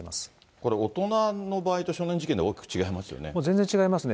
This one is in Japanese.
これ、大人の場合と少年事件で大きく違いますよね。